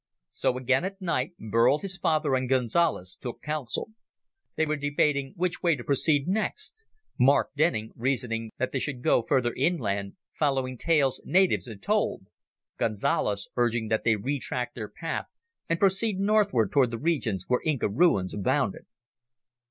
So again at night, Burl, his father, and Gonzales took counsel. They were debating which way to proceed next; Mark Denning reasoning that they should go further inland, following tales natives had told; Gonzales urging that they retrack their path and proceed northward toward the regions where Inca ruins abounded.